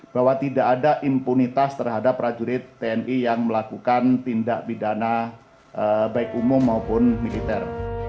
bahwa tidak ada impunitas terhadap prajurit tni yang melakukan tindak pidana baik umum maupun militer